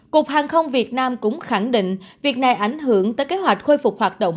cục hàng không việt nam cũng khẳng định việc này ảnh hưởng tới kế hoạch khôi phục hoạt động